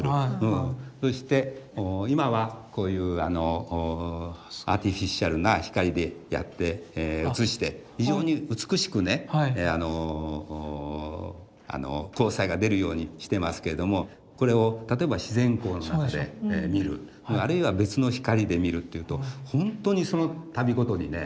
そして今はこういうアーティフィシャルな光でやって映して非常に美しくね光彩が出るようにしてますけれどもこれを例えば自然光の中で見るあるいは別の光で見るっていうとほんとにその度ごとにね